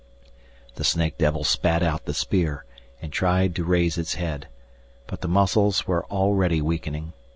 The snake devil spat out the spear and tried to raise its head. But the muscles were already weakening.